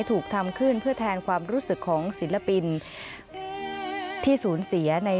ถูกทำขึ้นเพื่อแทนความรู้สึกของศิลปินที่สูญเสียใน